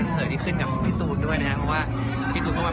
เสิร์ฟพี่ตูนด้วยนะพี่ตูน